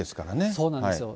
そうなんですよ。